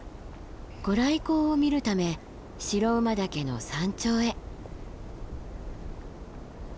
御来光を見るため白馬岳の山頂へ。